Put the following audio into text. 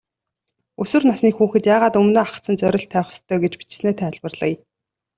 Өсвөр насны хүүхэд яагаад өмнөө ахадсан зорилт тавих ёстой гэж бичсэнээ тайлбарлая.